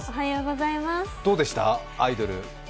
どうでした、アイドル？